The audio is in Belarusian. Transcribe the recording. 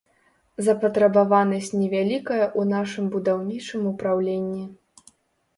Запатрабаванасць невялікая ў нашым будаўнічым упраўленні.